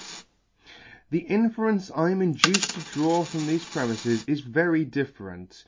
The inference I am induced to dfaw from thefe premifes is very different.